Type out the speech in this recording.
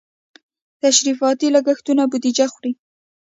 تشریفاتي لګښتونه بودیجه خوري.